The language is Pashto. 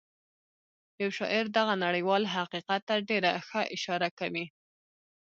یو شاعر دغه نړیوال حقیقت ته ډېره ښه اشاره کوي